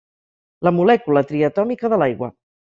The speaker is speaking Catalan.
La molècula triatòmica de l'aigua.